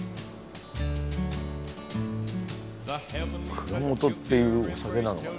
「蔵元」っていうお酒なのかな